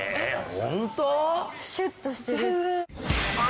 シュッとしてる。